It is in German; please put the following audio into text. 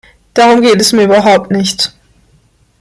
Darum geht es mir überhaupt nicht.